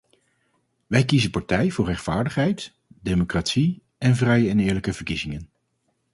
Wij kiezen partij voor rechtvaardigheid, democratie en vrije en eerlijke verkiezingen.